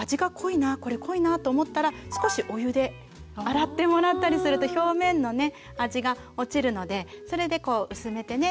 これ濃いなと思ったら少しお湯で洗ってもらったりすると表面のね味が落ちるのでそれで薄めてね